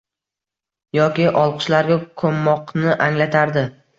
yoki olqishlarga ko‘mmoqni anglatardi.